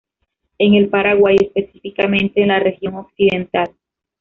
En el Paraguay específicamente en la Región Occidental.